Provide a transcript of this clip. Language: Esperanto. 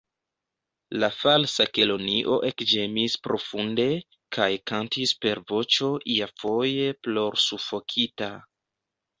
La Falsa Kelonio ekĝemis profunde, kaj kantis per voĉo iafoje plorsufokita.